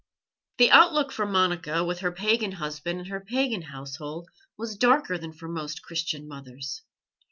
The outlook for Monica, with her pagan husband and her pagan household, was darker than for most Christian mothers.